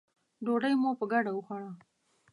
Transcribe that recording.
ډوډۍ مو په ګډه وخوړه.